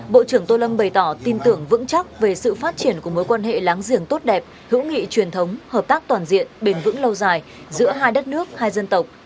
bộ trưởng tô lâm bày tỏ tin tưởng vững chắc về sự phát triển của mối quan hệ láng giềng tốt đẹp hữu nghị truyền thống hợp tác toàn diện bền vững lâu dài giữa hai đất nước hai dân tộc